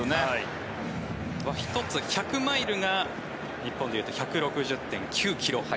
１つ、１００マイルが日本で言うと１６０．９ｋｍハイ。